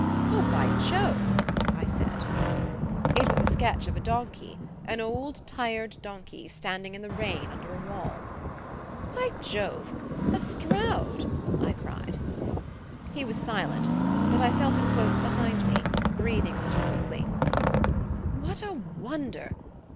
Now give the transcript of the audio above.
"Oh, by Jove!" I said. It was a sketch of a donkey an old tired donkey, standing in the rain under a wall. "By Jove a Stroud!" I cried. He was silent; but I felt him close behind me, breathing a little quickly. "What a wonder!